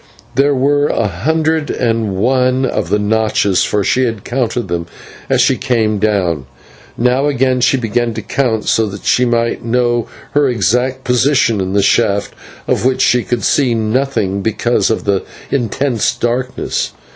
There were a hundred and one of the notches, for she had counted them as she came down, and now again she began to count, so that she might know her exact position in the shaft, of which she could see nothing because of the intense darkness.